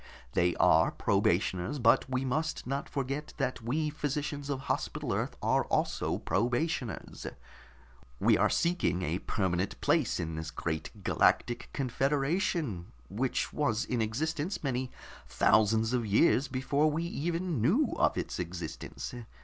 They are probationers, but we must not forget that we physicians of Hospital Earth are also probationers. We are seeking a permanent place in this great Galactic Confederation, which was in existence many thousands of years before we even knew of its existence.